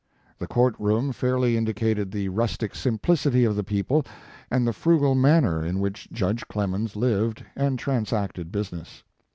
The court room fairly indicated the rustic simplicity of the people, and the frugal manner in which Judge Clemens lived and transacted business.